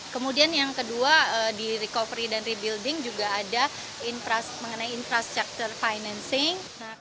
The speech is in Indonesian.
kemudian yang kedua di recovery dan rebuilding juga ada mengenai infrastructure financing